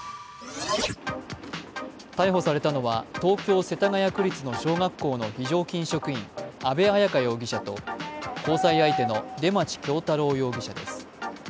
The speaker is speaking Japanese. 逮捕されたのは東京・世田谷区立の小学校の非常勤職員、安部綾香容疑者と交際相手の出町恭太郎容疑者です。